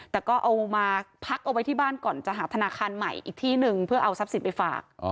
แต่ก็เอามาพักเอาไว้ที่บ้านก่อนจะหาธนาคารใหม่อีกที่หนึ่งเพื่อเอาทรัพย์สินไปฝาก